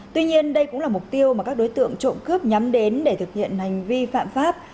tuy nhiên đây cũng là mục tiêu mà các đối tượng trộm cướp nhắm đến để thực hiện hành vi phạm pháp